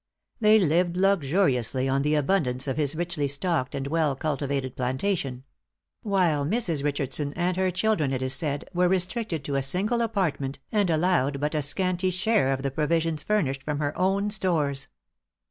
They lived luxuriously on the abundance of his richly stocked and well cultivated plantation; while Mrs. Richardson and her children, it is said, were restricted to a single apartment, and allowed but a scanty share of the provisions furnished from her own stores.